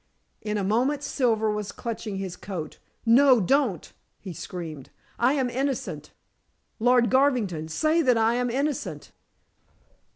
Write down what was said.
In a moment Silver was clutching his coat. "No, don't!" he screamed. "I am innocent! Lord Garvington, say that I am innocent!"